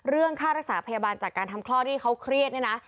ค่ารักษาพยาบาลจากการทำคลอดที่เขาเครียดเนี่ยนะ